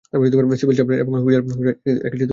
Sydney Chaplin এবং Wheeler Dryden একসাথে অভিনয় করেছেন।